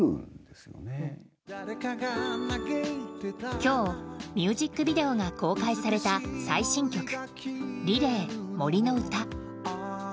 今日、ミュージックビデオが公開された最新曲「Ｒｅｌａｙ杜の詩」。